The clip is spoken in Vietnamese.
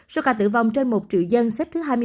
số ca tử vong trên một triệu dân xếp thứ hai mươi năm